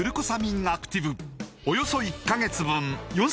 およそ１カ月分